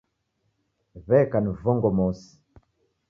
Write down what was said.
w'eka ni vongo mosi